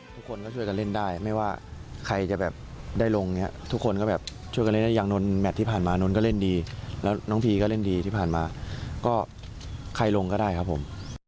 ทุกคนก็ช่วยกันเล่นได้ไม่ว่าใครจะแบบได้ลงอย่างนี้ทุกคนก็แบบช่วยกันเล่นได้อย่างนนแมทที่ผ่านมาน้นก็เล่นดีแล้วน้องพีก็เล่นดีที่ผ่านมาก็ใครลงก็ได้ครับผม